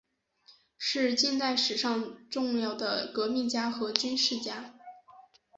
是近代史上重要的革命家和军事家。